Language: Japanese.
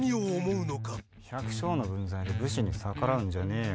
百姓の分際で武士に逆らうんじゃねえよ